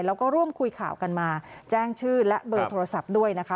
แล้วก็ร่วมคุยข่าวกันมาแจ้งชื่อและเบอร์โทรศัพท์ด้วยนะคะ